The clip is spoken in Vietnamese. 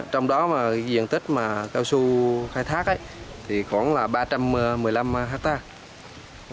trong đó mà diện tích mà cao su khai thác thì khoảng là ba trăm một mươi năm hectare